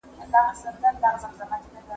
زه له سهاره د سبا لپاره د لغتونو تمرين کوم!؟